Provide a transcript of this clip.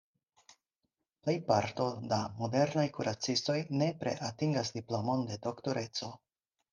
Plejparto da modernaj kuracistoj nepre atingas diplomon de Doktoreco.